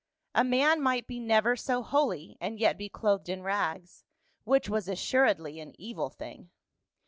A man might be never so holy, and yet be clothed in rags — which was assuredly an evil thing.